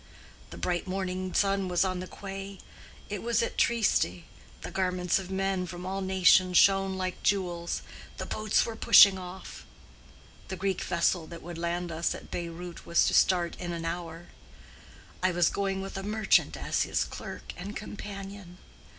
The bright morning sun was on the quay—it was at Trieste—the garments of men from all nations shone like jewels—the boats were pushing off—the Greek vessel that would land us at Beyrout was to start in an hour. I was going with a merchant as his clerk and companion.